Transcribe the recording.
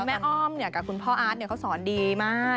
อ้อมกับคุณพ่ออาร์ตเขาสอนดีมาก